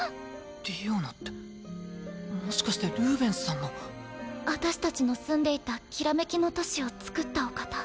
ディアナってもしかしてルーベンスさんの。私たちの住んでいた煌めきの都市をつくったお方。